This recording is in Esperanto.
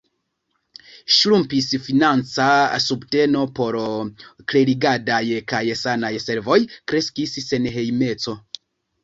Ŝrumpis financa subteno por klerigadaj kaj sanaj servoj; kreskis senhejmeco.